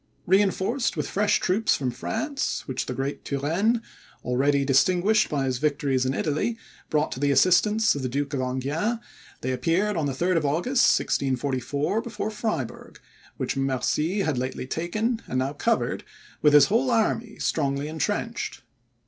Reinforced with fresh troops from France, which the great Turenne, already distinguished by his victories in Italy, brought to the assistance of the Duke of Enghien, they appeared on the 3rd of August, 1644, before Friburg, which Mercy had lately taken, and now covered, with his whole army strongly intrenched.